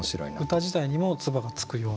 歌自体にも唾がつくような。